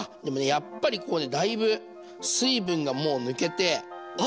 やっぱりここでだいぶ水分がもう抜けてあ